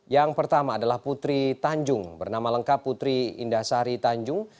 yang pertama adalah putri tanjung bernama lengkap putri indah sari tanjung